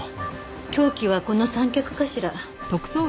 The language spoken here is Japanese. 凶器はこの三脚かしら。